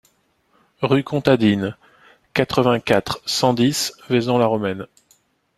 Rue Comtadine, quatre-vingt-quatre, cent dix Vaison-la-Romaine